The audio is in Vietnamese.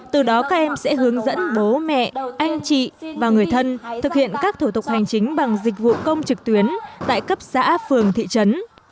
từ đó các em sẽ hướng dẫn bố mẹ anh chị và người thân thực hiện các thủ tục hành chính bằng dịch vụ công trực tuyến tại cấp xã phường thị trấn